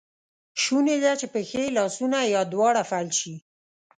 شونی ده چې پښې، لاسونه یا دواړه فلج شي.